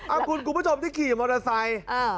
คุณผู้ชมที่ขี่มอเตอร์ไซค์